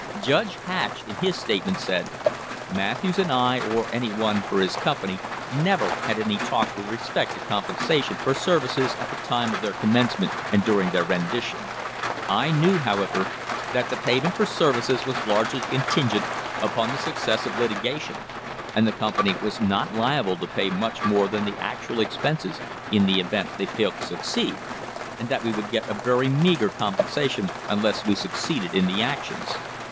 Judge Hatch in his statement said: "Matthews and I or any one for his company never had any talk with respect to compensation for services at the time of their commencement or during their rendition. I knew, however, that the payment for services was largely contingent upon the success of the litigation, and the company was not able to pay much more THE BUFFALO CASE than the actual expenses in the event they failed to succeed, and that we would get a very meagre compensation unless we succeeded in the actions.